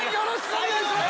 お願いします